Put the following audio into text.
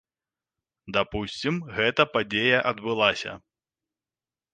Дапусцім, гэта падзея адбылася.